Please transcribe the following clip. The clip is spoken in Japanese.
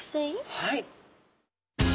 はい。